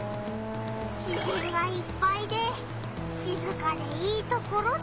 自ぜんがいっぱいでしずかでいいところだな！